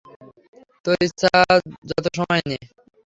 তোর যত ইচ্ছা সময় নে।